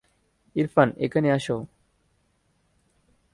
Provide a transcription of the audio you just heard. ইরফান, এখানে আস।